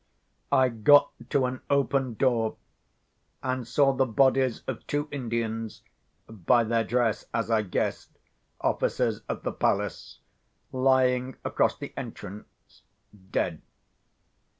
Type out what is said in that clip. I got to an open door, and saw the bodies of two Indians (by their dress, as I guessed, officers of the palace) lying across the entrance, dead.